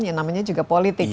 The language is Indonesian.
ya namanya juga politik ya